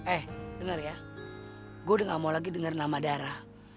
eh dengar ya gue udah gak mau lagi denger nama darah